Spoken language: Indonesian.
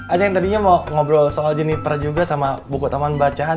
acing tadinya mau ngobrol soal jennifer juga sama buku taman bacaan